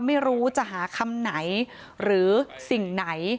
ไม่รู้จะหาคำไหนหรือสิ่งไหน